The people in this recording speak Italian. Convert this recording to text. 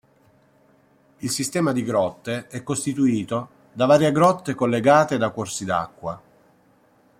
Il sistema di grotte è costituito da varie grotte collegate da corsi d'acqua.